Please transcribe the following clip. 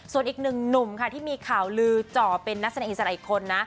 ส่วนอีกหนึ่งหนุ่มค่ะที่มีข่าวลือจ่อเป็นนักแสดงอิสระอีกคนนะ